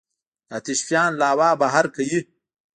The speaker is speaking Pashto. د آتش فشان لاوا بهر کوي.